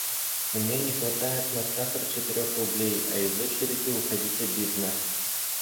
У меня не хватает на сахар четырех рублей, а из очереди уходить обидно.